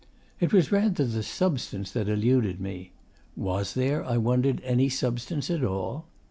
It was rather the substance that eluded me. Was there, I wondered, any substance at all?